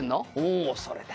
「おおそれだ」